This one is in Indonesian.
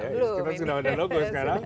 sekarang sudah ada logo sekarang